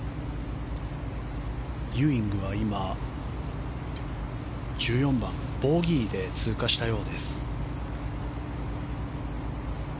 ユーイングは今１４番、ボギーで通過したようです。